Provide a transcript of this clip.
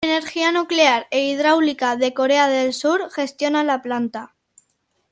Energía Nuclear e Hidráulica de Corea del Sur gestiona la planta.